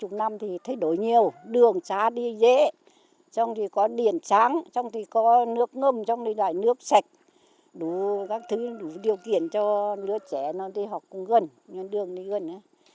trong bốn mươi năm thì thay đổi nhiều đường xá đi dễ trong thì có điện trắng trong thì có nước ngâm trong thì lại nước sạch đủ các thứ đủ điều kiện cho đứa trẻ nó đi học gần đường đi gần